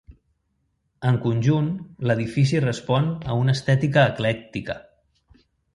En conjunt, l'edifici respon a una estètica eclèctica.